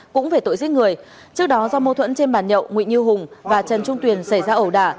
cũng về tội giết người trước đó do mâu thuẫn trên bàn nhậu nguyễn như hùng và trần trung tuyền xảy ra ẩu đả